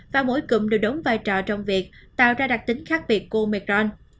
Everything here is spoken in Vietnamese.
và mỗi cụm đều đống vai trò trong việc tạo ra đặc tính khác biệt của omicron